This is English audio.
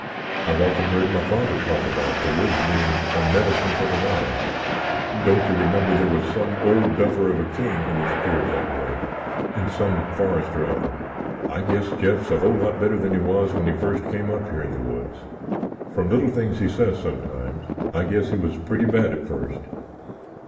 I've often heard my father talk about the woods being a medicine for the mind. Don't you remember there was some old duffer of a king who was cured that way—in some forest or other? I guess Jeff's a whole lot better than he was when he first came up here in the woods. From little things he says sometimes, I guess he was pretty bad at first.